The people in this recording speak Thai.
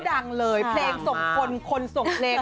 ดังเลยเพลงส่งคนคนส่งเพลง